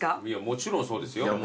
もちろんそうですよ。